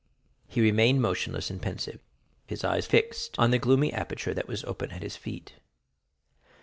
He remained motionless and pensive, his eyes fixed on the gloomy aperture that was open at his feet.